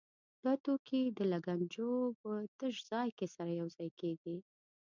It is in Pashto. دا توکي د لګنچو په تش ځای کې سره یو ځای کېږي.